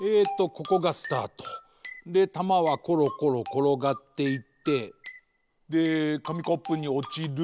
ここがスタート。でたまはコロコロころがっていってでかみコップにおちる。